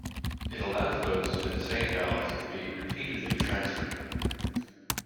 It allows votes to the same ballots to be repeatedly transferred.